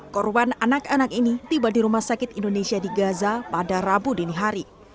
korban anak anak ini tiba di rumah sakit indonesia di gaza pada rabu dini hari